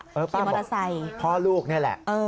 เนี่ยแหละ